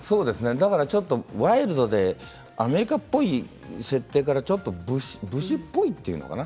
だから、ちょっとワイルドでアメリカっぽい設定からちょっと武士っぽいというのかな